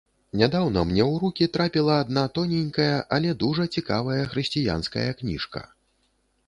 Нядаўна мне ў рукі трапіла адна тоненькая, але дужа цікавая хрысціянская кніжка.